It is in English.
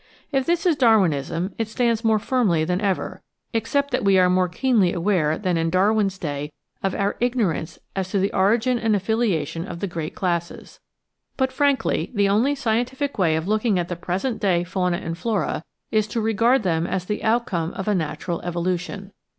If this is Darwinism it stands more firmly than ever, except that we are more keenly aware than in Darwin's day of our ignorance as to the origin and affiliation of the great classes. But, frankly, the only scientific way of looking at the present day fauna and flora is to regard them as the outcome of a natural evo lution.